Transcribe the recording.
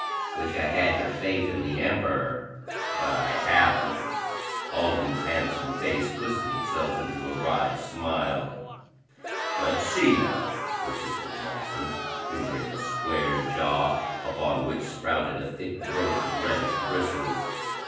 "Wish I had your faith in the Emperor but I haven't." Alden's handsome face twisted itself into a wry smile. "Let's see, now," persisted Nelson, fingering a square jaw upon which sprouted a thick growth of reddish bristles.